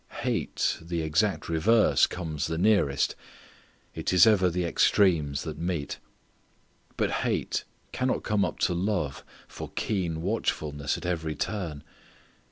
Hate, the exact reverse, comes the nearest. It is ever the extremes that meet. But hate cannot come up to love for keen watchfulness at every turn.